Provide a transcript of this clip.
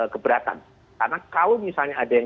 keberatan karena kalau misalnya ada yang